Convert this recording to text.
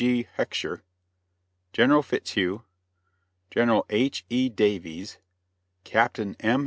G. Hecksher, General Fitzhugh, General H.E. Davies, Captain M.